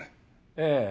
ええ。